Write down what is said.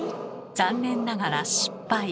残念ながら失敗。